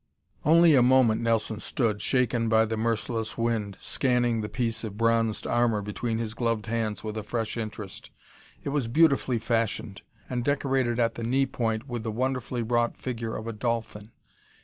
Only a moment Nelson stood, shaken by the merciless wind, scanning the piece of bronzed armor between his gloved hands with a fresh interest. It was beautifully fashioned, and decorated at the knee point with the wonderfully wrought figure of a dolphin.